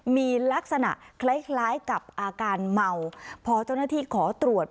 มีลักษณะคล้ายคล้ายกับอาการเมาพอเจ้าหน้าที่ขอตรวจ